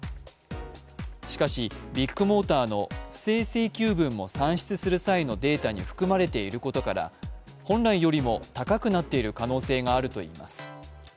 しかし、ビッグモーターの不正請求分も算出する際のデータに含まれていることから本来よりも高くなっている可能性があるといいます。